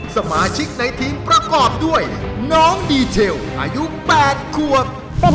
สมาชิกในทีมประกอบด้วยน้องดีเทลอายุ๘ขวบ